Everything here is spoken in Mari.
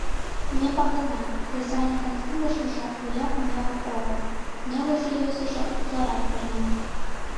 Ме палена: кресаньыкын илышыже ӱяк-мӱяк огыл — нелыже-йӧсыжӧ утларак перна.